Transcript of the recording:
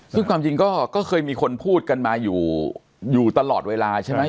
ซึ่งความจริงก็เคยมีคนพูดกันมาอยู่ตลอดเวลาใช่ไหม